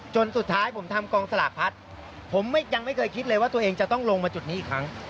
จนสุดท้ายผมทำกองสลากพัดผมยังไม่เคยคิดเลยว่าตัวเองจะต้องลงมาจุดนี้อีกครั้ง